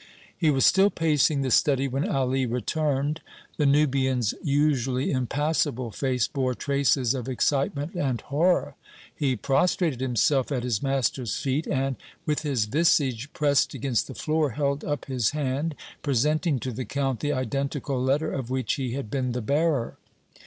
He was still pacing the study when Ali returned. The Nubian's usually impassible face bore traces of excitement and horror. He prostrated himself at his master's feet and, with his visage pressed against the floor, held up his hand, presenting to the Count the identical letter of which he had been the bearer.